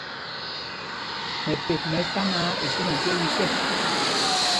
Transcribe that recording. Mɛpek mɛ ɛsá náǎ, isínɔŋ ɓyɔ́ ɓi kɛ.